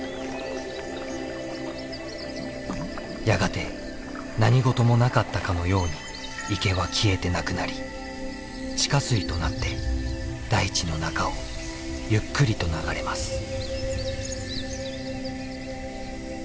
やがて何事もなかったかのように池は消えてなくなり地下水となって大地の中をゆっくりと流れます。